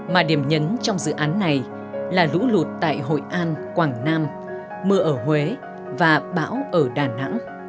mà điểm nhấn trong dự án này là lũ lụt tại hội an quảng nam mưa ở huế và bão ở đà nẵng